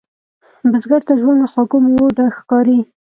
بزګر ته ژوند له خوږو میوو ډک ښکاري